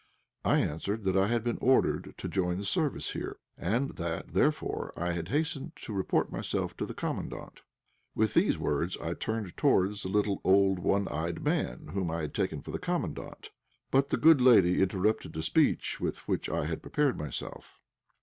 I answered that I had been ordered to join the service here, and that, therefore, I had hastened to report myself to the Commandant. With these words I turned towards the little, old, one eyed man, whom I had taken for the Commandant. But the good lady interrupted the speech with which I had prepared myself.